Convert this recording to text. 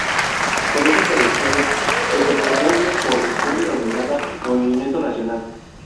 Con esas adhesiones se conformó una coalición denominada Movimiento Nacional.